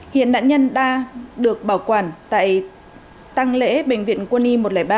hiện nạn nhân đang được bảo quản tại tăng lễ bệnh viện quân y một trăm linh ba